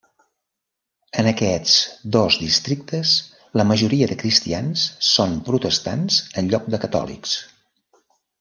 En aquests dos districtes, la majoria de cristians són Protestants en lloc de Catòlics.